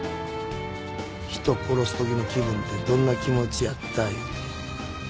「人殺すときの気分てどんな気持ちやった？」いうて。